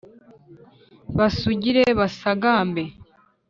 basugire basagambe